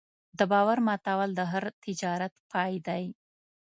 د باور ماتول د هر تجارت پای دی.